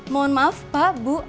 mohon maaf pak bu